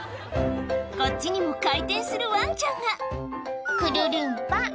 こっちにも回転するワンちゃんがくるりんぱ！